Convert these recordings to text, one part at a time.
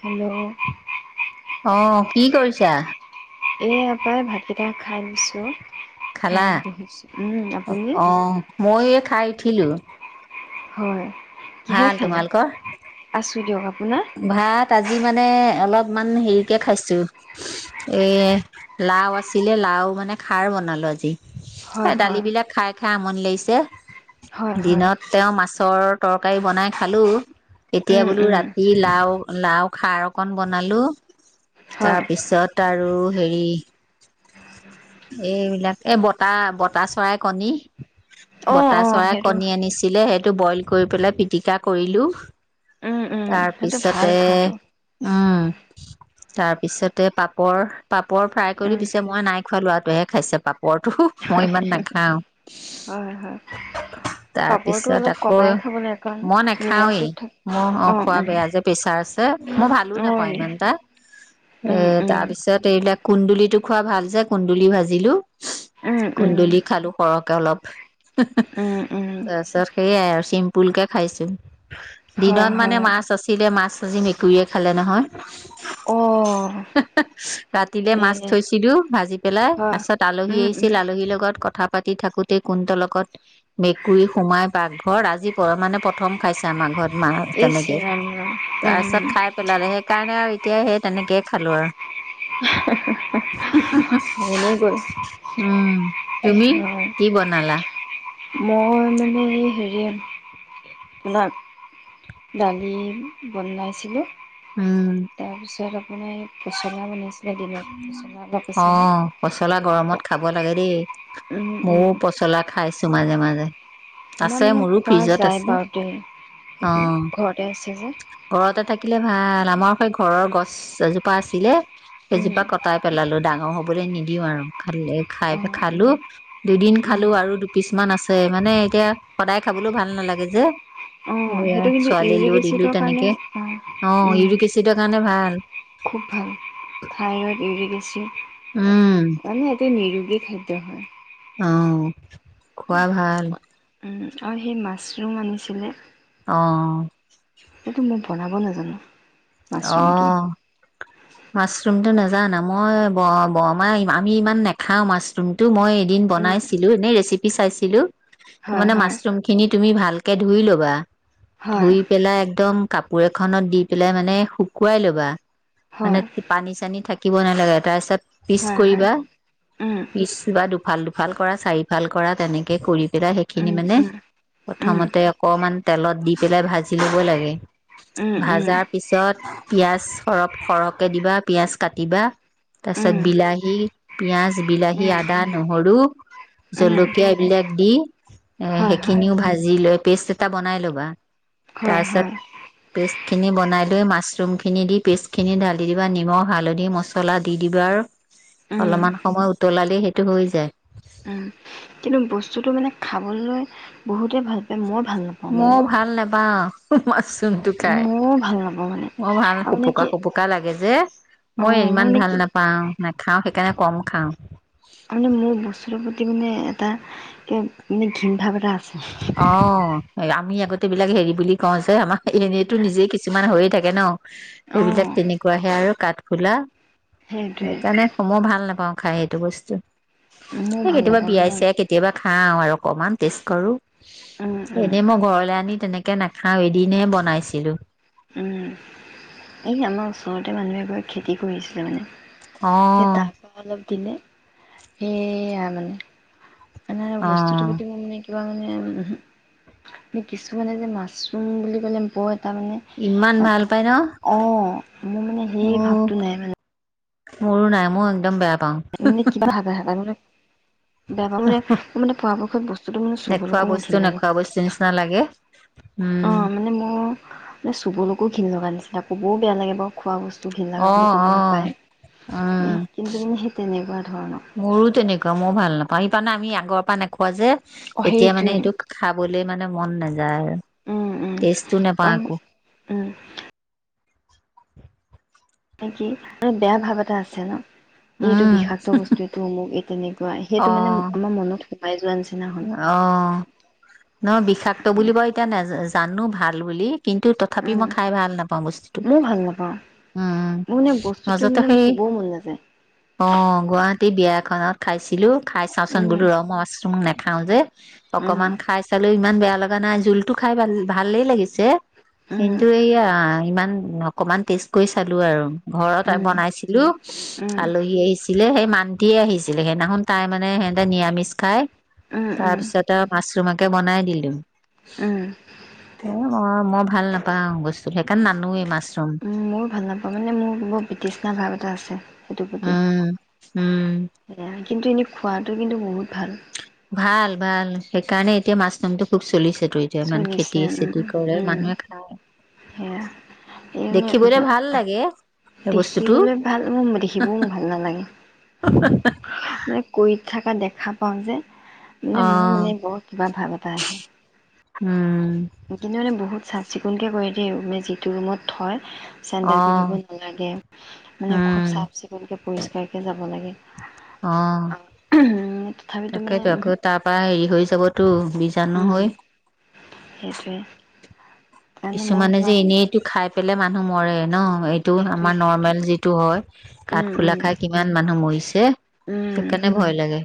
Hello. অ', কি কৰিছা? [unintelligible] ভাতকেইটা খাই দিছো। খালা আপুনি অ, ময় খাই উঠিলো। হয়। কিহে ভাল, খালে তোমালোকৰ? আছোঁ দিয়ক আপোনাৰ ভাত আজি আজি মানে অলপমান হেৰিকে খাইছো এ লাও আছিলে লাও মানে খাৰ বনালো আজি হয় এই দাল হয় বিলাক খাই খাই আমনি লাগিছে ছছে হয় হয় দিনত তেওঁ মাছৰ তৰকাৰী বনাই খালোঁ এতিয়া উম বোলো উম ৰাতি ই লাও লাও খাৰ অকণ বনালো হয় তাৰপিছত আৰু হৰি এইবিলাক এই বতাহ বতাহ চৰাই কণী অ অ বতাহ চৰাই সেইটো কণী আনিছিলে সেই টো বইল কৰি পেলাই পিটিকা কৰিলো উম উম সেইটো ভাল তাৰপিছতে খোৱাটো উম তাৰপিছতে পাপৰ পাপ বৰ ফ্ৰাই কৰি উম পিছে মই নাই খোৱাা ল'ৰা তহে খাইছে পাপ ওপৰটো মই ইমান নাখাও হয় হয় পাপৰটো তাৰপিছত অলপ আকৌ কমাই খাব লাগে কাৰণ মই নিমখটো নাখাওৱেই থাক মই অ বেয়া যে প্ৰেচাৰ আছে মই ভালো অ নাপাওঁ নি ইমান এটা এ উম উম তাৰপিছত এইবিলাক কুন্দুল টো খোৱা ভাল যে কুন্দুলি ভাজিলো উম উম কুন্দুলি খালো সৰহ কলপ উম উম তছ সেই আৰু চিম্প পুলকৈ খাইছিল হয় দিনত মানে হয় মাছ আচছিলে মাছ আজি মেকুৰীয়ে খালে নহয় অ ৰাতিলে মাছ সেয়ে থৈছিলো ভাজি পেলাই তাৰ হয় পিছত আলহী উম উম আহিছিল আলহীৰ লগত ক কথা পাতি থাকোঁতেই কোনটো লগত মেকুৰী সোমাই পাকঘৰত আজি মানে প্ৰথম খাইছে আমাৰ ঘৰত মাহ ইছ তেনেকে। ৰাম ৰাম তাৰপিছত খাই পেলালে সেইকাৰণে আৰু এতিয়া সেই তেনেকে খালোঁ আৰু। উম এনেই গ'ল উম, তুমি হয়, কি বনালা? মই মানে হেৰি নহ, দালি বনাইছিলোঁ। উম তাৰপিছত আপোনেই পচলা বনাইছিলে দিনত। অলপ আছিলে অ', পচলা গৰমত খাব লাগে দেই, উম, উম, ময়ো পচলা খাইছো মাজে মাজে। আছে [unintelligible] মোৰো খোৱা ফ্ৰিজত যায় আছে বাৰু দেই অ ঘৰতে আছে। যে ঘৰতে থাকিলে ভাল। [unintelligible] ঘৰৰ গছ এজোপা আছিলে। উম, এইজোপা কটাই পেলালো ডাঙৰ হ'ব। বলি নিদিওঁ আৰু। খালে খাই অঁ উম, খালোঁ দুদিন উম, খালোঁ আৰু দুপিছ মান আছে মানে। এতিয়া সদায় খাবলৈওঁ ভাল নালাগে যে। অ', এয়া সেইটো কিন্তু ইউৰিক ছোৱালীলৈও এচি দিলো চিত্ৰ তেনেকে পাৰিম উম, অ ইউৰিক এচিডৰ কাৰণে ভাল উম, খুবভাল থাইৰ ইউৰিক এচি উম মানে এটো নিৰু হয়। আউ। খোৱা ভাল। অ', সেই মাছৰুম আনিছিলে। অ'। কিন্তু মই বনাব নাজানো। মাছৰুমটো। অ', মাছৰুমটো নেজানা? মই ব-বৰমাই [unintelligible] আমি ইমান নাখাওঁ মাছৰুমতো। মই এদিন উম, বনাইছিলোঁ এনেই ৰেচি [unintelligible] চাইছিলোঁ। হয়, মানে, হয়, মাছৰুমখিনি তুমি ভাল কে ধুই ল'বা। হয়, ধুই পেলাই একদম কাপোৰ এখনত দি পেলাই মানে নে শুকুৱাই ল'বা? মানে হয়, পানী চানী থাক কিব নালাগে তাইচত পিছ হয়, হয়, কৰিবা উম, পিছ বা দুফাল দুফ এফাল কৰা চাৰিফাল কৰা তেনেকে কৰি পেলাই উম, সেইখিনি মানে উম, উম, প্ৰথমতে অকমান তেলত দি পেলাই ভাজি লব লাগে উম উম ভাজাৰ পিছত পিয়াজ অৰপ সৰহকে দিবা পিয়াজ কাটিবা তাৰ উম, পিছত বিলাহী পিয়াজ বিলাহী উম, আদা নহৰু উম, জলকীয়া এইবিলাক দি এ হয়, হয়, সেইখিনিও ভাজি লৈ পেষ্ট টা বনাই ল'বা হয় হয় [unintelligible] খিনি বনাই মাছৰুমখিনি দি পেষ্টখিনি ঢালি দিবা নিমখ হালধি মছলা দি দিবা আৰু উম, অলপমান সময় উতলালেই সেইটো হৈ যায় উম, কিন্তু বস্তুতটো মানে খাবলৈ বহুতে ভাল পায় মই ভাল নাপাওঁ মানে মই ভাল নাপাওঁ বছ [unintelligible] জোনটো খাই ময়ো ভাল নাপাওঁ মানে মই ভাল আৰু মানে সোপকা কি সোপকা লাগে যে মই অ', ইমান মানে ভাল কি নাপাও নেখাওঁ স কেনে কম খাওঁ মানে মোৰ বস্তুৰৰ প্ৰতি মানে এটা মানে ঘীণ ভাৱ এটা আছে অ আমি আগতে বিলাক হেৰি বুলি কওঁ যে আমাৰ এনেইতো নিজেই কিছুমান হৈয়ে থাকে ন সেইবিলাক অ'। তেনেকুৱাহে আৰু কাঠ ফুলা সেইটোৱে সেইকাৰণে সমও ভাল নাপাওঁ খাই এইটো বস্তু মোৰ এই ভাল কেতিয়াবা নাপাওঁ বিয়াই মানে ছিয়াই কেতিয়াবা খাওঁ আৰু অকণমান টেষ্ট কৰোঁ উম [unintelligible] উম এনেই মই ঘৰলে আনি তেনেকে কে নাখাও এদিনে বনাইছিলো উম [unintelligible] এই আমাৰ ওচৰতে মানুহ এঘৰে খেতি কৰিছিলে মানে অ স তাৰ পৰা অলপ দিনে হেয়া মানে নান অ বস্তুতটো পাতি মু মানে কি কিবা মানে কিছুমানে যে মাছৰুম বুলি ক'লে মদ ইমান ভাল তাৰমানে পাই ন অঁ মোৰ মানে অ সেই ভাৱটো নাই মানে মোৰো নাই, মোৰ একদম বেয়া পাওঁ কিবা [unintelligible] মানে? বেয়া পাওঁ, মানে-মানে পৰাপক্ষত বস্তুটো মানে, নেখোৱা চুবলৈকো মোৰ বস্তু ঘিণ লাগে। নেখোৱা বস্তু নিচিনা লাগে উম অ', মানে মোৰ মানে চুবলৈকো ঘিণ লগা নিছি [unintelligible] এতিয়া ক'বও বেয়া লাগে বাৰু! খোৱা বস্তু ঘিণ লগা বুলি ক'ব অ'-অ' নাপায়। উম, কিন্তু মানে সেই তেনেকুৱা ধৰণৰ মোৰো তেনেকুৱা! ময়ো ভাল নাপাওঁ সেইকাৰণে আমি আগৰ পা নোখোৱা যে। অ', এতিয়া মানে সেইটোৱে। সেইটো খাবলে মানে মন নাযায়। যাৰ উম, উম, টেষ্টটো নাপাওঁ উম, একো। [inaudible] উম, মানে কি মে বেয়া ভাৱ এটা আছে ন'। এইটো উম বিষাক্ত বস্তুটো মোক তেনেকে সেইটো অ মানে আমাৰ মনত [unintelligible] অ', নহ বিষাক্ত বুলিব এতিয়া নাজ চানো ভাল বুলি। কিন্তু তথাপি মই উম, খাই ভাল নাপাওঁ বস্তুটো ময়ো ভাল নাপাওঁ উম মোৰ মানে বস্তুটো মাজতে মানে মোৰ সেই চুবও মন নাযায়। অ', গুৱাহাটী বিয় খনত খাইছিলোঁ। খাই চাওঁচোন বো ৰ উম, ময়ো ম নাপায়। খাওঁ যে। উম, অকমান খাই চালেও ইমান বেয়া লাগে। লা নাই জোলতো খাই ভাল ভালেই লাগিছে। উম, কিন্তু এইয়া ইমান অকমান টেষ্ট কৰি চালো আৰু। ঘৰত উম, বনাইছিলো উম, আলহী আহিছিলে সেই মা শান্তিয়ে আহিছিলে সেইদিনাখনন তাই মানে সিহঁতে নিৰামিষ খাই। উম, উম, তাৰ উম। পিছত মাছৰুমকে বনাই দিলো। উম তে মই ভাল নাপাওঁ বস্তুতো সেইকাৰণ নানোৱে মাছ। উম, মোৰ ভাল নাপাওঁ মানে মোৰ বহু ব্ৰটিচনা ভাৱ ত আছে সেইটোৰ প্ৰতি। উম উম সেয়া কিন্তু এনেই খোৱাটো কিন্তু বহুত ভাল ভাল ভাল সেইকাৰণে এতিয়া মাছ নমটো খুব চলিছে চুনিছে উম উম খাই সেয়া এইএনে দেখিবলে ভাল লাগে সেই বস্তুটো দেখিবলৈ ভাল মোৰ দেখিবও মোৰ ভাল নালাগে মে ক থকা দেখা পাওঁ যে মানে অ মোৰ মানে বৰ কিবা ভাব এটা আহে উম কিন্ত মানে বহুত চাফ চিকুণকৈ কৰি দিয়ে ৰু মে যিটো ৰুমত থয় অ চেণ্ডেল পিন্ধিব নালাগে মানে খুব উম চাফ চিকুণকৈ পৰিষ্কাৰকে যাব লাগে অ তথাপিতো মানে তাকেইতো আকৌ তাৰ পৰা হেৰি হৈ যাবতো বীজাণু উম হৈ সেইটোৱে কাৰণে মই কিছুমানে যোৱা যে মানে এনেইটো খাই পেল ে মানুহ মৰে ন এইটো সেইটোৱে আমাৰ নৰ্মেল সেইটোৱে যিটো হয় উম কাঠফুলা উম খাই কিমান মানুহ মৰিছে উম সেইকাৰণে ভয় লাগে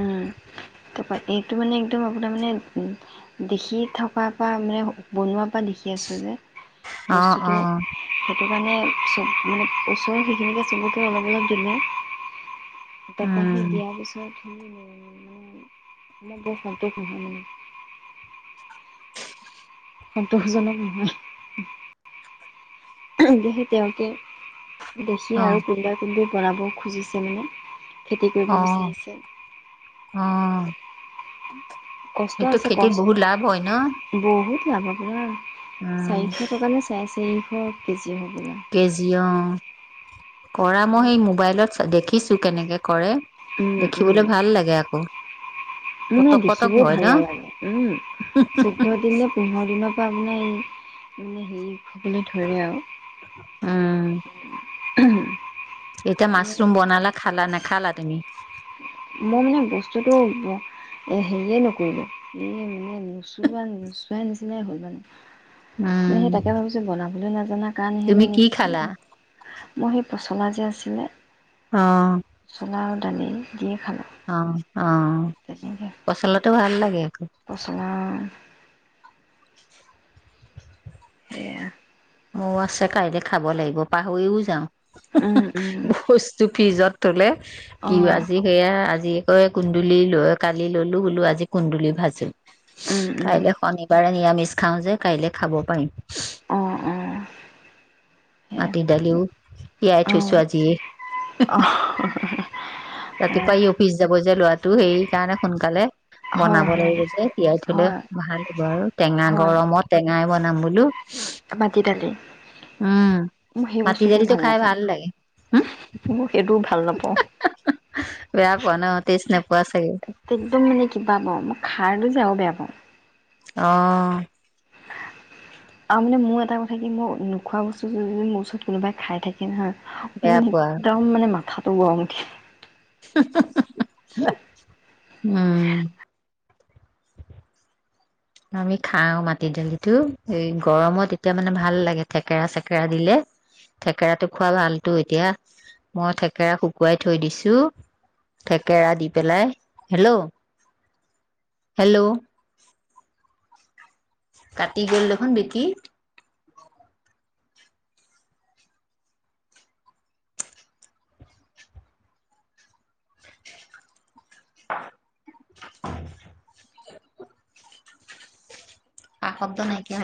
উম এইটো মানে একদম আপোনাৰ মানে দেখি থকাৰ পৰা মানে বনোৱা ত পৰা দেখি আছোঁ যে অ অ বস্তুটো সেইটো কাৰণে চব মানে ওচৰৰ সেইখিনিকে চবকে অলপ অলপ দিলেঁ তপাহে উম দিয় পিছত মানে মে বসতটোখহা মানে সন্তোষজনক নহয় দে সতে অকে দেখি অ আৰু কোনবা কোনবোৰ কৰাব খুজিছে মানে খেতি কৰিব আহ বিচাৰিছে আহম উম সটো খেতিত বহুত লাভ হয় ন যাবাব উম চাৰিশ টকা নে চাই আছে অকে কেজিঅ। কৰা মই সেই মোবাইলত দেখিছো কেনেকে কৰে। উম উম দেখিবলৈ ভাল লাগে আকৌ মানে পটক পটক দেখিবও হয় ভাল ন নালাগে উম চৈধ্য় দিন ন পোন্ধৰ দিনৰ পৰা মপোনে এই মানে হেৰি উস'বলৈ ধৰে আৰু। উম উম। উম। এতিয়া মাছৰুম বনালা খালা নেক খালা তুমি। মই মানে বস্তুটো হেৰিয়ে নকৰিলো এই মানে নুচোৱা নুচোৱাই নিচিনাই হ'ল মানে। উম মানে সেই তাকে ভাবিছ বনাম। কিন্তু নাজাননা গান তুমি সেনে কি নেকি। খালা মোৰ সেই পচলা যে আছিলে। অ। দনি দিয় খালো অ। অ', পচলতো ভাল লাগে। আকৌ পচলা সেয়া। ময় আছে কাইলৈ খাব লাগিব পাহৰিও যাওঁ। উম উম বস্তু ফিজত। তুলে। কি অঁ আজি সেয়া আজি কুন্দুলি লৈ কালি ললো বোলো আজি কুন্দুলি ভাজি। উম উম কাইলৈ শনিবাৰে নিৰামিষ খাও যে কাইলৈ খাব পাৰিম। অ'‌, অ। মাটি দালিও য়াই অঁ থৈছো আজিয়ে। অঁ ৰাতিপুৱাই অফিচ যাব যে লৰা তু সেইৰি কাৰণে সোনকালে। হয় বনাব হয় লাগিব যে তিয়াই থুললে হয় ভাল হ'ব আৰু টেঙা হয় গৰমত টেঙাই বন নাম বোলো। মাটি দালি উম মোৰ সেই মাটি বস্তুটো দালিটো ভাল খাই লাগে হম নাপাওঁ মোৰ সেইটো ভাল নাপাওঁ। বেয়া ন' তাষ্টেন একদম মানে কিবা পাওঁ মই খা পাৰটো যাওঁ বেয়া পাওঁ। অহ। আৰু মানে মোৰ এটা কথা কি মই নোখোৱা বস্তু যদি মোৰ ওচৰত কোনোবাই খাই থাকে নহয়। মোৰ বেয়া মানে পোৱা একদম মানে মাথাত [unintelligible] [inaudible] উম। আমি খাওঁ মাটি দালিটো এই গৰমত এতিয়া মানে ভাল লাগে থেকেৰা চেকেৰা দিলে থেকেৰাটো খোৱা ভালতো এতিয়া মই থেকেৰা শুকুৱাই থৈ দিছো থেকেৰা দি পেলাই হেল্ল', হেল্ল'। কাটি গ'ল দেখোন বিকি [inaudible] আ শব্দ নাইকিয়া।